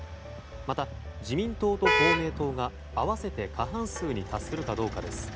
また、自民党と公明党が合わせて過半数に達するかどうかです。